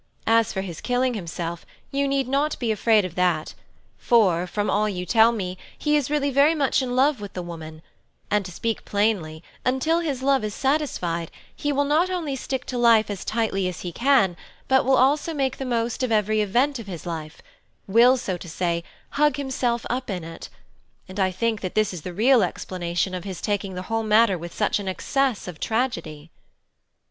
As for his killing himself, you need not be afraid of that; for, from all you tell me, he is really very much in love with the woman; and to speak plainly, until his love is satisfied, he will not only stick to life as tightly as he can, but will also make the most of every event of his life will, so to say, hug himself up in it; and I think that this is the real explanation of his taking the whole matter with such an excess of tragedy."